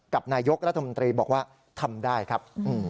กับนายกรัฐมนตรีบอกว่าทำได้ครับ